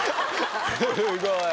すごい！